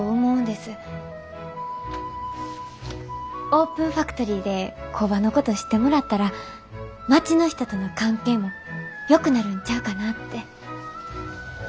オープンファクトリーで工場のこと知ってもらったら町の人との関係もよくなるんちゃうかなって。